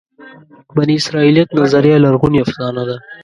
بني اسرائیلیت نظریه لرغونې افسانه ده.